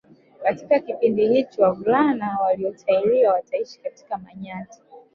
Katika kipindi hicho wavulana waliotahiriwa wataishi katika Manyatta